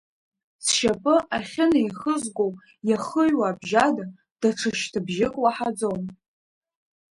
Сшьапы ахьынеихызгоу иахыҩуа абжьада, даҽа шьҭыбжьык уаҳаӡом.